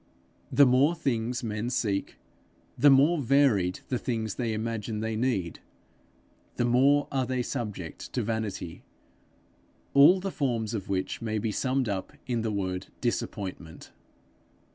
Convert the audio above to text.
The more things men seek, the more varied the things they imagine they need, the more are they subject to vanity all the forms of which may be summed in the word disappointment.